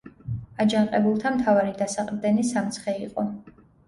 აჯანყებულთა მთავარი დასაყრდენი სამცხე იყო.